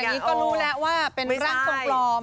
คืออย่างนี้ก็รู้แล้วว่าเป็นร่างกลม